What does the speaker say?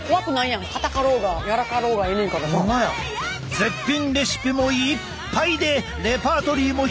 絶品レシピもいっぱいでレパートリーも広がっちゃう！